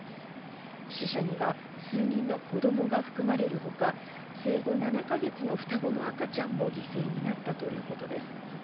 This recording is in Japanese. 死者には数人の子供が含まれるほか、生後７か月の双子の赤ちゃんも犠牲になったということです。